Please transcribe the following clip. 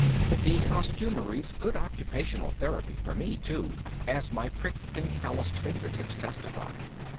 The costumery's good occupational therapy for me, too, as my pricked and calloused fingertips testify.